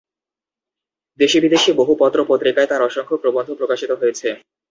দেশী বিদেশি বহু পত্র পত্রিকায় তার অসংখ্য প্রবন্ধ প্রকাশিত হয়েছে।